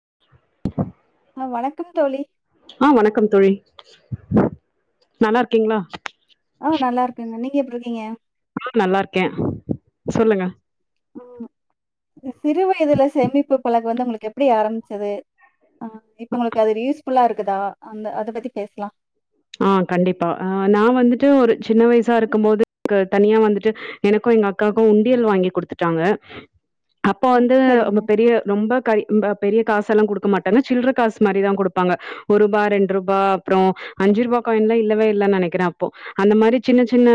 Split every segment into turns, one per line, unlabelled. [unintelligible]
ஆ வணக்கத்தோழி
ஆ வணக்கம் தோழி நல்லாருக்கீங்களா
ஆ நல்லாருக்கங்க நீங்க எப்டி ருக்கீங்க
ஆ நல்லாருக்கே சொல்லுங்க
ம் சிறு வயதுல சேமிப்புப்பழகு வந்து உங்களுக் எப்படி ஆரம்பிச்சது ஆ இப்பங்களுக்கு அது யூஸ்ஃபுல்லா இரு க்குதா அந்த அதப்பத்தி பேசலா
ஆ கண்டிப்பா ஆ நா வந்துட்டு ஒரு சின்ன வயசாருக்கு போது [unintelligible] தனியா வந்துட்டு எனக்கு எங்க அக்காவுக்கு உண்டியல் வாங்கி குடுத்துட்டாங்க அப்போ
ம்
வந்து
சரிங்க.
ரொம்ப பெரிய ரொம்ப கை ரொம்ப பெரிய காசல்லா கொடுக்க மாட்டாங்கா சில்லரக்காஸ் மாரிதா கொடுப்பாங்க ஒருருபா ரெண்டுருபா அப்புறோ அஞ்சுருபா காயின்ல இல்லவே இல்ல நெனைக்கிறே அப்போ அந்த மாரி சின்னச்சின்ன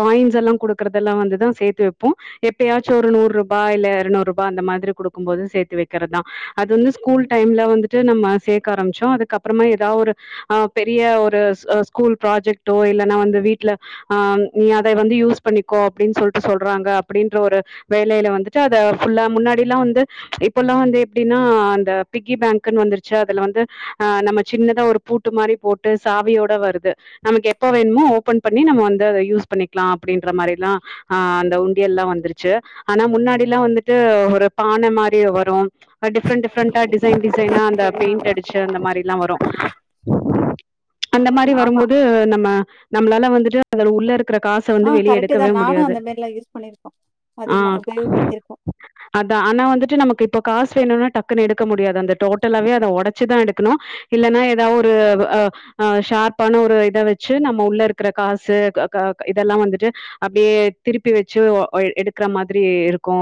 காயின்ஸ்யெல்லா கொடுக்கறதெல்லா வந்துதா சேர்த்து வப்போ எப்பயாச்சு ஒரு நூறுருபா இல்ல இறநூறு ருபா அந்த மாதிரி கொடுக்கும் போது சேத்து வைக்கிறதா அது வந்து ஸ்கூல் டைம்ல வந்துட்டு நம்ம சேக்க ஆரம்பிச்சோ அதுக்கப்புறமே ஏதா ஒரு ஆ பெரிய ஒரு [unintelligible] அ ஸ்கூல் பராஜக்டோ இல்லனா வந்து வீட்டுல ஆ நீ அத வந்து யூஸ் பண்ணிக்கோ அப்டினு சொல்ட்டு சொல்றாங்க அப்படின்ற ஒரு வேலையில வந்துட்டு அத ஃபுல்லா முன்னாடில்லா வந்து இப்பல்லா வந்து எப்படின்னா அந்தப்பிக்கி பேங்னு வந்துருச்சா அதுல வந்து ஆ நம்ம சின்னதா ஒரு பூட்டு மாரி போட்டு சாவியோட வருது நமக்கு எப்போ வேணுமோ ஓபன் பண்ணி நம்ம வந்து அத யூஸ் பண்ணிக்லா அப்படின்ற மாரிலா ஆ அந்த உண்டியல்லா வந்துருச்சு ஆனா முன்னாடில்லா வந்துட்டு ஒரு பான மாரி வரும் அ டிஃப்ரண்ட் டிஃப்ரண்டா டிசைன் டிசைனா அந்த பெண்டடிச்சு அந்த மாரி எல்லா வரு அந்த மாரி
ம் ஆமா.
வரும்போது நம்ம நம்மளாலா வந்துட்டு அதுல உள்ள இரு க்கிற காச
ஆ
வந்து வெளிய
கரெக்ட்டு
எடுக்கவே
தான். நானும்
முடியாது
அந்த மாரிலாம் யூஸ் பண்ணிருக்கோம்.
ஆ
அதிகமா உபயோகப்படுத்திருக்கோம்.
அதா ஆனா வந்துட்டு நமக்கு இப்ப காசு வேணும்னா டக்குன்னு எடுக்க முடியாது அந்த டோட்டலாவே அத உடைச்சுதா எடுக்கணு இல்லைன்னா ஏதாவது ஒரு ஆ அ ஷார்ப்பான ஒரு இத வச்சு நம்ம உள்ள இருக்கிற காசு க க இதெல்லா வந்துட்டு அப்படியே திருப்பி வச்சு ஒ அ எடுக்கற மாதிரி இருக்கு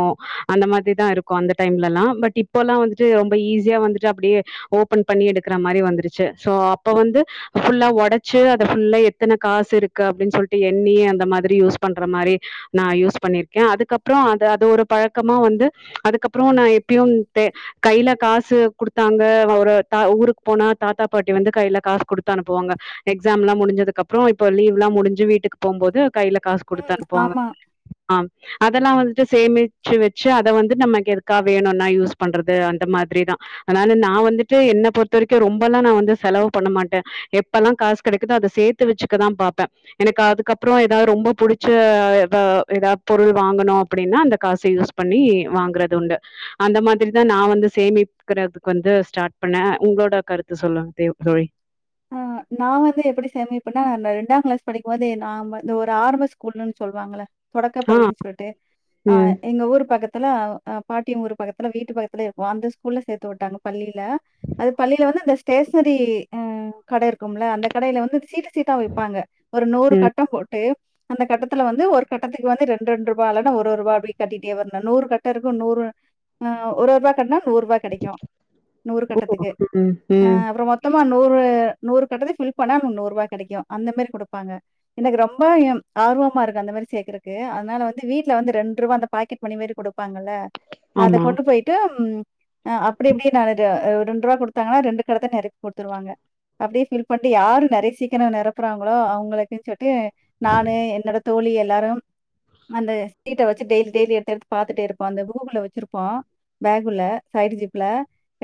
அந்த மாதிரிதா இருக்கு அந்த டைம்ல எல்லா பட் இப்பல்லா வந்துட்டு ரொம்ப ஈஸியா வந்துட்டு அப்படியே ஓபன் பண்ணி எடுக்கற மாரி வந்துருச்சு சோ அப்ப வந்து ஃபுல்லா ஒடச்சி அத எத்தன காசு இருக்கு அப்படின்னு சொல்லிட்டு எண்ணி அந்த மாதிரி யூஸ் பண்ற மாரி நா யூஸ் பண்ணிருக்கே அதுக்கப்புறோ அது அது ஒரு பழக்கமா வந்து அதுக்கப்புறோ நா எப்பும் தே கையில காசு குடுத்தாங்க ஒரு த ஊருக்கு போனா தாத்தா பாட்டி வந்து கையில காசு குடுத் தா அனுப்புவாங்க எக்ஸாம் எல்லா முடிஞ்சது அப்புறோ இப்ப லீவ்ல்லா முடிஞ்சு வீட்டுக்கு போம்போது கையில காசு கொடுத்து
ம்
அனுப்புவாங்க
ஆமா.
ஆ அதெல்லா வந்துட்டு சேமிச்சு வச்சு அத வந்துட்டு நமக்கு எதுக்காக வேணும்னா யூஸ் பண்றது அந்த மாதிரிதா அதனால நா வந்துட்டு என்னை பொறுத்த வரைக்கு ரொம்பெல்லா நா வந்து செலவு பண்ண மாட்டே எப்பல்லா காசு கிடைக்குதோ அத சேர்த்து வச்சுக்கதா பார்ப்பே எனக்கு அதுக்கப்புறோ ஏதாவது ரொம்ப பிடிச்சு ஏதா ஏதாவது பொருள் வாங்கணு அப்படின்னா அந்த காசு யூஸ் பண்ணி வாங்கறது உண்டு அந்த மாதிரிதா நா வந்து சேமிக்கிறதுக்கு வந்து ஸ்டார்ட் பண்ணே உங்களோட கருத்து சொல்ல தே தோழி
ஆ நா வந்து எப்படி சேமிப்பண்ணா அந்த ரெண்டா கிளாஸ் படிக்கும்போது நா ஒரு ஆரம்ப ஸ்கூல்ன்னு சொல்லுவாங்கள தொடக்க
ஆ.
பள்ளின்னு சொல்லிட்டு ஆ
ம்,
எங்க ஊர் பக்கத் த்துல அ பாட்டியூர் பக்கத்துல வீட்டு பக்கத்துல இருக்கு அந்த ஸ்கூல்ல சேர்த்து விட்டாங்க பள்ளியில அது பள்ளியில வந்து அந்த ஸ்டேஷனரி ஆ கடை இருக்கும்ல அந்த கடையில வந்து சீட்டு சீட்டா வைப்பாங்க ஒரு நூறு
ம்.
கட்டம் போட்டு அந்த கட்டத்துல வந்து ஒரு கட்டத்துக்கு வந்து ரெண்டு ரெண்டு ரூபாய் இல்லன்னா ஒரு ரூபாய் அப்படிய கட்டிட்டே வரணு நூறு கட்ட இருக்கு நூறு ஆ ஒரு ரூபாய் கட்டினா நூறு ரூபா கிடைக்கு நூறு
ஓ!
கட்டத்துக்கு
ம்,
ஆ
ம்.
அப்புறம் மொத்தமா நூறு நூறு கட்டத்தயு ஃபில் பண்ணாங்களுக்கு நூறு ரூபா கிடைக்கு அந்த மாரி கொடுப்பாங்க எனக்கு ரொம்ப ம் ஆர்வமா இருக்கு அந்த மாரி சேகறக்கு அதனால வந்து வீட்டுல வந்து ரெண்டு ரூபா அந்த பாக்கெட் மணி மாரி கொடுப்பாங்கல்ல அத
ஆமா.
கொண்டு போயிட்டு ஆ அப்டியுமே நான் இது ஒரு ரெண்டு ரூபா கொடுத்தாங்களா ரெண்டு கட்டத்த நெரப்பி கொடுத்துருவங்க அப்படியே ஃபீல் பண்ணிட்டு யாரு நெறைய சீக்கிர நிரப்புறாங்களோ அவங்களுக்கு [unintelligible] நானு என்னோட தோழி எல்லாரும் அந்த சீட்ட வச்சு டெய்லி டெய்லி எடுத்தத்துடுத்து பாாரத்துட்டே இருப்போ அந்த கூகுல வச்சிருப்போ பேகுல சைடு ஜிப்ல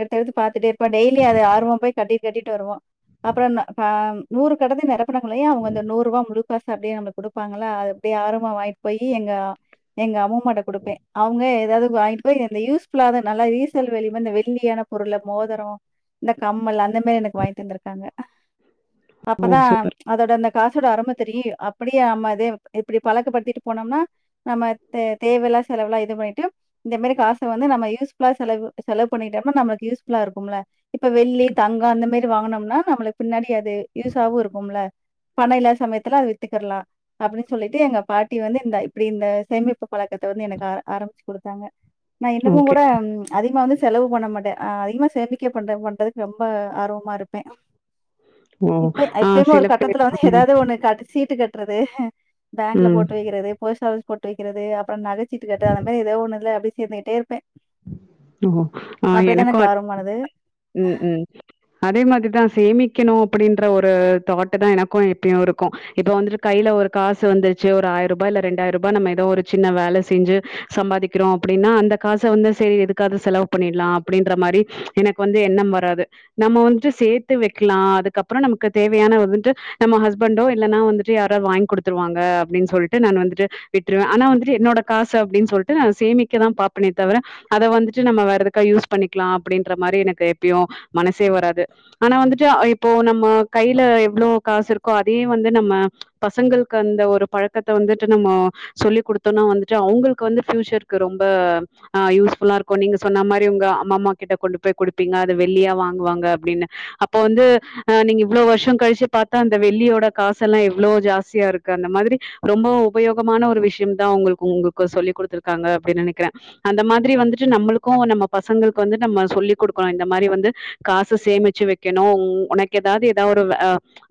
எடுத்தடுத்து பாத்துட்டே இருப்போ டெய்லி அத ஆர்வம் போய் கட்டிட்டு கட்டிட்டு வருவோ அப்புறம்‌‌ பாம் நூறு கட்டத்தூக்கு நடக் பங்களைய அவுங்க அந்த நூறுரூபா முழு பசம் அப்டியே நம்ம குடுப்பாங்ளா அது அப்டியே ஆர்வமா வாங்கிட்டு போயி எங்க எங்க அம்மு மாட்ட குடுப்பே அவுங்க எதாவது வாங்கிட்டு போய் யூஸ் ஃபுல்லான நல்லா ரீசேல் வேல்யு வெள்ளியான பொருள்ல மோதரோ அந்த கம்மல் அந்த மாரி எனக்கு வாங்கிட்டு வந்து க்கா
ஓ!
அப்தா
சூப்பர்.
அதோட அந்த காசோட அரும்ம தெரியு அப்டியே நம்ம இத இப்டி பழக்கப்படுத்திட்டு போனோம்னா நம்ம தேவல்லா செலவுலா இது பண்ணிட்டு இந்த மாதிரி காச வந்து நம்ம யூஸ்ஃபுல்லா செலவு செலவு பண்ணிட்டோம்னா நம்மளுக்கு யூஸ்ஃபுல்லா இருக்கும்ல இப்ப வெள்ளி தங்கோ அந்த மாதிரி வாங்கனும் ஆமா நம்மளுக்கு பின்னாடி அது யூஸாவு இருக்கும்ல பண இல்லாத சமயத்துல அது வித்துக்குறலா அப்டின் சொல்லிட்டு எங்க பாட்டி வந்து இந்த இப்டி இந்த சேமிப்பு பழக்கத்த வந்து எனக்கு ஆ ஆரம்பிச்சு குடுத்தாங்க நா
ஓகே.
இன்னமுங்கூட அதிகமா வந்து செலவு பண்ண மாட்டே அ அதிகமா சேமிக்க பண்ன மட்டு ரொம்ப ஆர்வமாயிருப் பே
ஓ!
இப்ப
ஆ
எப்யுமே
சில
ஒரு
பேர்
கட்டத்துல வந்து
ம்,
எதாவது ஒன்னு காட்டு சீட்டு கட்டு ன்றதே பேங்க்ல
ம்.
போட்டு வக்குறது போஸ்டு ஆபிஸ் போட்டு வக்குறது அப்பறோ நகச்சீட்டு கட்டாதப்ப எதயாவது ஒன்னுல அப்டி சேந்துட்டே இருப்பே
ஓ ஆ எனக்கு உம் உம் அதே மாதிரி சேமிக்கனு அப்டீன்ற ஒரு தாட்டு தா எனக்கு எப்யு இருக்கு இப்ப வந்துட்டு கைல ஒரு காசு வந்துருச்சு ஒரு ஆயிரூபா இல்ல ரெண்டாயிரூபா நம்ம ஏதோ ஒரு சின்ன வேல செஞ்சு சம்பாதிக்குறோ அப்டின்னா அந்த காசு வந்து சேரி எதுக்காது செலவு பண்ணிடலா அப்டின்ற மாரி எனக்கு வந்து எண்ணம் வராது நம்ம வந்துட்டு சேத்து வெக்கலா அதுக்கப்பறோ நமக்கு தேவயானத வந்துட்டு நம்ம ஹஸ்பண்டோ இல்லன்னா வந்துட்டு யாரோ வாங்கி குடுத்துருவாங்க அப்டின் சொல்ட்டு நான் வந்துட்டு விட்டுருவே ஆனா வந்துட்டு என்னோட காசு அப்டின் சொல்ட்டு சேமிக்கதா பாப்பனே தவர அத வந்துட்டு நம்ம வேற எதுக்கா யூஸ் பண்ணிக்லா அப்டின்ற மாரி எனக்கு எப்பயு மனசே வராது ஆனா வந்துட்டு ஆ இப்போ நம்ம கையில எவ்ளோ காசு இருக்கோ அதே வந்து நம்ம பசங்கள்க்கு அந்த ஒரு பழக்கத்த வந்துட்டு நம்ம சொல்லி் குடுத்தோனா வந்துட்டு அவுங்களுக்கு வந்து ஃபியூச்சர்க்கு ரொம்ப ஆ யூஸ்ஃபுல்லா இருக்கு நீங்க சொன்ன மாரி உங்க அம்மம்மா கிட்ட கொண்டு போய் குடுப்பீங்க அது வெள்ளியா வாங்குவாங்க அப்டின்னு அப்ப வந்து அ நீங்க இவ்ளோ வருஷம் கழிச்சு பாத்தா அந்த வெள்ளியோட காசெல்லா எவ்ளோ ஜாஸ்தியாருக்கு அந்த மாதிரி ரொம்ப உபயோகமான ஒரு விஷ்யம் தா ஒங்களுக்கு ஒங்குக்கு சொல்லிக் குடுத்துருக்காங்க அப்டி நெனக்குறே அந்த மாதிரி வந்துட்டு நம்மளுக்கு நம்ம பசங்களுக்கு வந்து நம்ம சொல்லி் குடுக்கணு இந்த மாரி வந்து காசு சேமிச்சு வெக்கணு உனக்கு எதாது ஏதாவது அ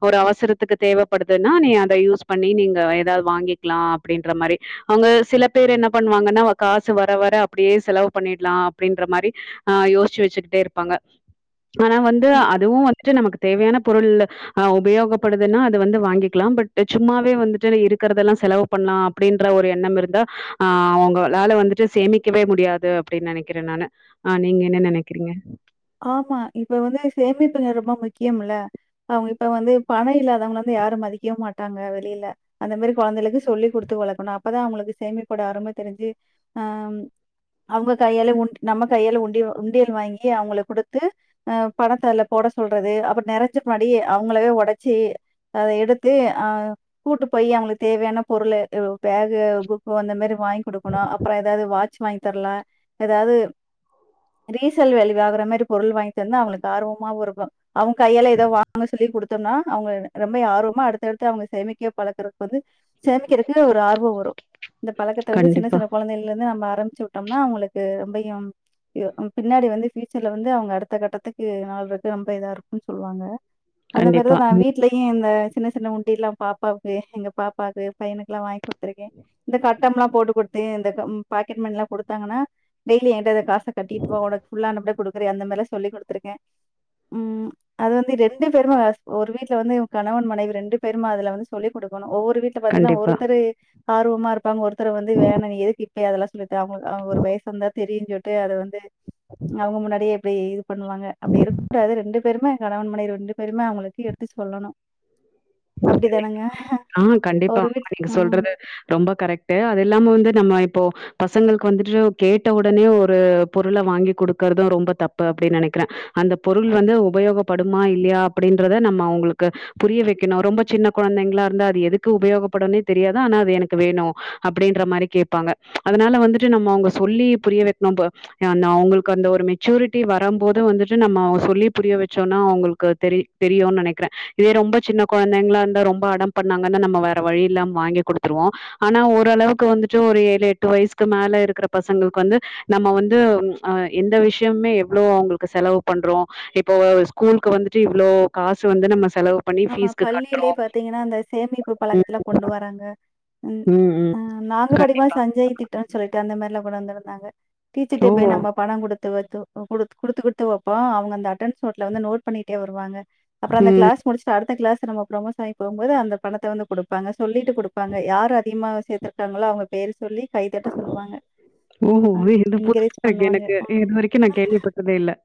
ஒரு அவசரத்துக்கு தேவப்படுதுன்னா நீ அத யூஸ் பண்ணி நீங்க ஏதாவ வாங்கிக்லா அப்டீன்ற மாரி அவுங்க சில பேர் என்ன பண்ணுவாங்கன்னா காசு வர வர அப்டியே செலவு பண்ணிறலா அப்டீன்ற மாரி ஆ யோசிச்சு வச்சுக்கிட்டே இருப்பாங்க ஆனா வந்து
ம்,
அதுவு வந்துட்டு நமக் தேவயான பொருள் உபயோகப்படுதுன்னா அத வந்து வாங்கிக்லா பட் சும்மாவே வந்துட்டு இருக்கிறதெல்லா செலவு பண்லா அப்டீன்ற ஒரு எண்ணம் இருந்தா ஆ அவுங்களால வந்துட்டு சேமி க்கவே முடியாது அப்டின் நெனக்கிறே நானு ஆ நீங்க என்ன நெனக்குறீங்க
ஆமா இப்ப வந்து சேமிப்பு ரொம்ப முக்கியம் இல்ல அவுங்க இப்ப வந்து பண இல்லாதவங்க வந்து யாரும் மதிக்கே மாட்டாங்க வெளியில அந்த மாரி கொழந்தைகளுக்கு சொல்லி குடுத்து வளக்கணு அப்பதா அவுங்களுக்கு சேமிப்போட அரும தெரிஞ்சு ஆ அவூங்க கையால உண் நம்ம கையால உண்டி உண்டியல் வாங்கி அவுங்களுக்கு குடுத்து அ பணத்தால போட சொல்றது அப்பறோ நெரச்ச புன்னாடி அவுங்களே ஒடச்சி அத எடுத்து அ கூட்டு போய் அவுங்களுக்கு தேவயான பொருளு பேக்கு புக்கு அந்த மாரி வாங்கி குடுக்கனு அப்பறோ எதாவது வாட்ச் வாங்கி தரல எதாவது ரீசேல் வேல்யு ஆகுற மாரி பொருள் வாங்கி தந்தா அவுங்களுக்கு ஆர்வமாவு இருக்கு அவுங் கையால்ல ஏதோ வாங்க சொல்லி குடுத்தோம்னா அவுங்க ரொம்ப ஆர்வமா அடுத்தடுத்து அவுங்க சேமிக்க பழக்கறது வந்து சேமிக்குறதுக்கு ஒரு ஆர்வோ வரு இந்த பழக்கத்த வந்து சின்ன
கண்டிப்பா
சின்ன கொழந்தைகள்ல இருந்து நம்ம ஆரம் ச்சு உட்டம்னா அவுங்களுக்கு ரொம்பயும் ஏ பின்னாடி வந்து ஃபியூச்சர் ல வந்து அவங்க அடுத்த கட்டத்துக்கு நாள்ருக்கு ரொம்ப இதா இருக்குன் சொல்லுவாங்க அந்த மாரிதா
கண்டிப்பா
நா
ம்
வீட்லயு இந்த சின்ன சின்ன உண்டில்லா பாப்பாவுக்கு எங்க பாப்பாக்கு பையனுக்குல்லா வாங்கி குடுத்துருக்கே இந்த கட்டம்ல்லா போட்டு குடுத்து இந்த பாக்கெட் மணில்லா குடுத்தாங்கன்னா டெய்லி என்ட அத காஸ் கட்டிட்டு வா உனக்கு ஃபுல்லா அனப்டு ரே அந்த மாரிலா சொல்லி் குடுத்துருக்கே ம் அது வந்து ரெண்டு பேருமே வாஸ் ஒரு வீட்ல வந்து கணவன் மனைவி ரெண்டு பேரும் அதுல வந்து சொல்லிடுகுடுக்கணு ஒவ்வொ ட் வீட்ல பாத்தீங்கன்னா
கண்டிப்பா.
ஒருத்தரு ஆர்வமாருப்பாங்க ஒருத்தர் வந்து வேணா எதுக்கு பெ அதெல்லா சொல்லு த்த அவுங்க அவுங் ஒரு வயிசு வந்தா தெரியு சொட்டு அத வந் து அவங்க முன்னா எப்பே இது பண்ணுவாங்க அப்பிடி இருக்கூடாது ரெண்டு பேருமே கணவன் மனைவி ரெண்டு பேருமே அவுங்களுக்கு எடுத்து சொல்லனு அப்பிடிதானுங்க
ஆ கண்டிப்பா ஆமா நீங்க சொல்றது ரொம்ப கரெக்ட் அது இல்லாம வந்து நம்ம இப்போ பசங்களுக்கு வந்துட்டு கேட்ட உடனே ஒரு பொருள வாங்கி குடுக்கறது ரொம்ப தப்பு அப்பிடின் நெனைக்கிறே அந்த பொருள் வந்து உபயோகப்படுமா இல்லையா அப்பிடின்றத நம்ம அவங்களுக்கு புரிய வைக்கணு ரொம்ப சின்ன கொழந்தைங்களா இந்தார் எதுக்கு உபயோகபடுனே தெரியாது ஆனா அது எனக்கு வேணு அப்பிடின்ற மாரி கேப்பாங்க அதனால வந்துட்டு நம்ம அவுங்க சொல்லி புரியல வைக்கணு ப எ நா அவுங்களுக்கு அந்த ஒரு மெச்சுரிட்டி வரம் போது வந்துட்டு நம்ம சொல்லி புரியவாச்சோன அவுங்களுக்கு தெரி தெரியுனு நெனைக்கிறே இதே ரொம்ப சின்ன கொழந்தைங்களா இருந்தா ரொம்ப அடம் பண்ணாங்கன்னா நம்ம வேற வழி இல்லாம வாங்கி குடுத்துருவோ ஆனா ஓரளவுக்கு வந்துட்டு ஒரு ஏழு எட்டு வயசுக்கு மேல இருக்கற பசங்களுக்கு வந்து நம்ம வந்து அ எந்த விஷயமே எவ்ளோ அவங்களுக்கு செலவு பண்றோ இப்போ ஸ்கூலுக்கு வந்துட்டு இவ்ளோ காசு வந்து நம்ம செலவு பண்ணி
ஆமா.
ஃபீஷ்கு கட்டுறோ
பள்ளியிலே பாத்தீங்கன்னா, அந்த சேமிப்பு பழக்கத்துல கொண்டு வராங்க ம் அ நாங்க படிக்குபோது
கண்டிப்பா
சஞ்சய திட்டோன் சொல்லிட்டு அந்த மாரிலா கொண்டந்திருந்தாங்க டீச்சர்ட்டே
ஓ
போய் நம்ம பணம் குடுத் த்து வத்து குடுத்து குடுத்து வைப்போ அவங்க அந்த அட்டன்ஸ் நோட்ல வந்து நோட் பண்ணிட்டே வருவாங்க அப்புறோ அந்த
ம்
கிளாஸ் சர் அடுத்த கிளாஸ் நம்ம பிரொமசனாகி போம்போது அந்த பணத்த வந்து குடுப்பாங்க சொல்லிட்டு குடுப்பா யார் அதிகமா சேர்த்திருக்காங்களோ அவங்க பேரு சொல்லி கை தட்ட சொல்லுவாங்க.
ஓ
அ
வே இந்த புசா
என்கரேஜ்
இருக்கு
பண்ணுவாங்க.
எனக்கு
ம்.
இது வரைக்கு நா கேள்விப்பட்டதே இல்ல [inaudible]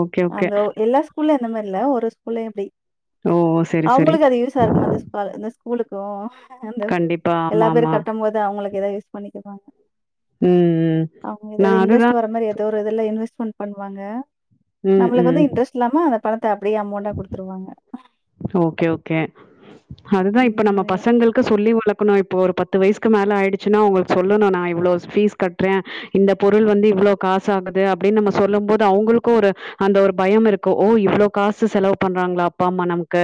ஓகே ஓகே
அந்த எல்லா ஸ்கூல்லி இந்த மார் இல்ல ஒரு ஸ்கூல்லியு இப்பிடி
ஓ செரி செரி
உளுக்கு அந்த எல்லா பேரு
ஆமா
கட்டம் போது அவங்களுக்கு எதா யூஸ் பண்ணிக்குவாங்க
ம் ம்
அவங்க
நா
ஏதாவது
அதுதா
இன்ட்ரெஸ்ட் வர மாரி ஏதோ ஒரு இதுல்ல இன்வெஸ்மெண் பண்ணுவாங்க
ம்,
நம்மளுக்கு
ம்.
வந்து இன்ட்ரெஸ்ட் இல்லாம த்தா அப்பிடியே அமௌண்டா குடுத்துருவாங்க
ஓகே ஓகே அதுதா இப்ப
அந்த
நம்ம
மாரிலாம்.
பசங்களுக்கு சொல்லி வழ க்குனு இப்ப ஒரு பத்து வயசுக்கு மேல ஆயிடிச்சின்னா அவுங்களுக்கு சொல்லனு நா இவ்ளோ பீஸ் கட்றே இந்த பொருள் வந்து இவ்ளோ காசு ஆகுது அப்பிடின் நம்ம சொல்லு போது அவுங்களுக்கு ஒரு அந்த ஒரு பயம் இருக்கு ஓ இவ்ளோ காசு செலவு பண்றாங்களா அப்பா அம்மா நமக் க்க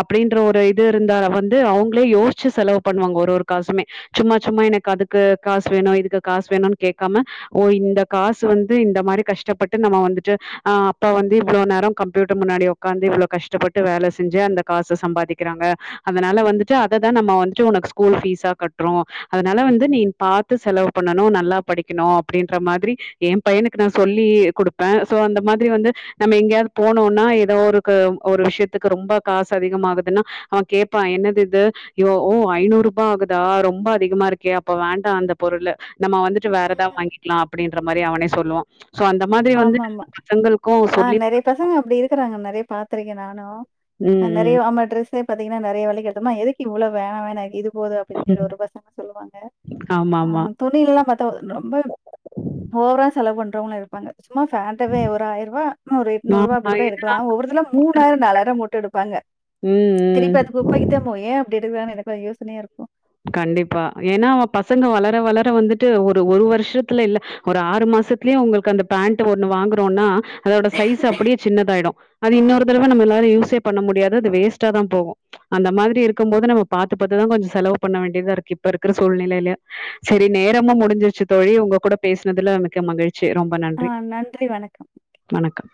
அப்பிடின்ற ஒரு இது இருந்தா வந்து அவங்களே யோசிச்சி செலவு பண்ணுவாங்க ஒரு ஒரு காசுமே சும்மா சும்மா எனக்கு அதுக்கு காசு வேணு இதுக்கு காசு வேணுன் கேக்காம ஓ இந்த காசு வந்து இந்த மாரி கஷ்டப்பட்டு நம்ம வந்துட்டு அ அப்பா வந்து இவ்ளோ நேரோ கம்ப்யூட்டர் முன்னாடி உக்காந்து இவ்ளோ கஷ்டப்பட்டு வேல செஞ்சி அந்த காச சம்பாதிக்கிறாங்க அதனால வந்துடு அததா நாம உனக்கு ஸ்கூல் ஃபீசா கட்றோ அதனால வந்து நீ பாத்து செலவு பண்ணு நல்லா படிக்குனு அப்பிடின்ற மாதிரி ஏ பையனுக்கு நா சொல்லி குடுப்பே சோ அந்த மாதிரி வந்து நாம எங்கையாது போனோனா எதோ ஒரு க ஒரு விஷ்யத்து க்கு ரொம்ப காசு அதிகமா ஆகுதுன்னா அவ கேப்பா என்னது இது யோ ஓ ஐநூறு ரூபா ஆகுதா ரொம்ப அதிகமா இருக்கே அப்ப வேண்டா அந்த பொருளு நம்ம வந்துட்டு வேற எதா
ம்ஹ்ம்.
வாங்கிக்கலா அப்பிடின்ற மாரி அவனே சொல்லுவா சோ அந்த மாதிரி வந்து
ஆமா ஆமா
பசங்களுக்கும்
ஆ
சொல்லி
நெறைய பசங்க அப்பிடி இருக்கறாங்க நெறைய பாத்திருக்கே நானு நா
ம்,
நெறைய அமா ட்ரெஸ் த் பாத்திங்கனா நெறைய வேலைகட்டுமா எதுக்கு இவ்ளோ வேணா வேணா இது போது
ம்,
அப்பிடிதிர
ம்.
ஒரு பசங்க சொல்லுவாங்க ஆ
ஆமாமா.
துணியல்லா பாத்தா ரொம்ப ஓவரா செலவ் பண் டோர்னு இருப்பாங்க சும்மா ஃப்பேண்டவே ஒரு ஆய்ர்வா ஒரு எட்டு நூறுவா
ஆமா.
அப்பிடி கூட
ஏன்னா
எடுக்கலா ஒவ்வொருத்துலா மூனாயிர நாலாயிர போட்டு எடுப்பாங்க
ம்,
திருப்பி
ம்.
அது குப்பைக்கு போவு ஏ அப்பிடி டுவானு எனக்கு யோசனையா இருக்கு
கண்டிப்பா ஏனா அவ பசங்க வளர வளர வந்துட்டு ஒரு ஒரு வருஷ்தல இல்ல ஒரு ஆறு மாசத்தலே அவுங்களுக்கு அந்த பேண்ட்டு ஒன்னு வாங்குறோனா அதோட சைஸ்சு அப்பிடியே சின்னதாயிடு அது இன்னொரு தரவ நம்மனாலு யூஸே பண்ண முடியாது அது வேஸ்ட்டா தா போவு அந்த மாதிரி இருக்கு போது நம்ம பாத்து பாத்துதா கொஞ்ச செலவு பண்ண வேண்டிதா இருக்கு இப்ப இருக்குற சூழ்நிலையில சரி நேரமா முடிஞ்சிருச்சி தோழி உங்க கூட பேசினதுல மிக்க மகிழ் ச்சி ரொம்ப
ஆ
நன்றி
நன்றி, வணக்கம்.
வணக்கம்